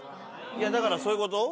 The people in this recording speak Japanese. いやだからそういうこと？